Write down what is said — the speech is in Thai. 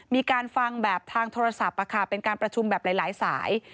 มีการฟังแบบทางโทรศัพท์เป็นการประชุมแบบหลายสาย